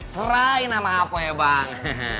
serahin sama hapo ya bang